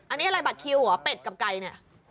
อันนี้อะไรบัตรคิวเหรอเป็ดกับไก่เนี่ย